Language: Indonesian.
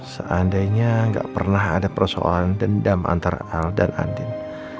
seandainya gak pernah ada persoalan dendam antara al dan andin